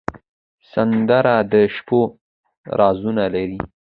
سندره د شپو رازونه لري